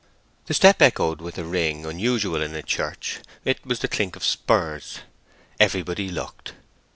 The step echoed with a ring unusual in a church; it was the clink of spurs. Everybody looked.